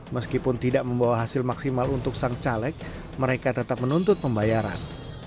meskipun tidak membawa hasil maksimal untuk sang caleg mereka tetap menuntut pembayaran